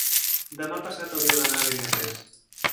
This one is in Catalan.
Demà passat hauria d'anar a Beniarrés.